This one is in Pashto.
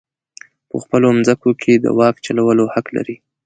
په خپلو مځکو کې د واک چلولو حق لري.